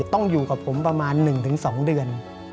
ต้องอยู่กับผมประมาณ๑๒เดือน